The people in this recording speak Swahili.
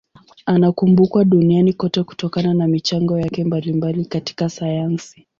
Anakumbukwa duniani kote kutokana na michango yake mbalimbali katika sayansi.